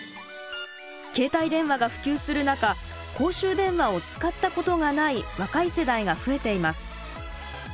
携帯電話が普及する中公衆電話を使ったことがない若い世代が増えています。